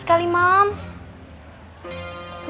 udah jatuh pas